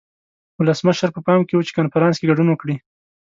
ولسمشر په پام کې و چې کنفرانس کې ګډون وکړي.